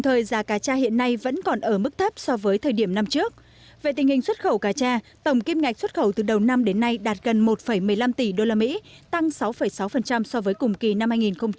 nghình xuất khẩu cá tra tổng kim ngạch xuất khẩu từ đầu năm đến nay đạt gần một một mươi năm tỷ usd tăng sáu sáu so với cùng kỳ năm hai nghìn một mươi năm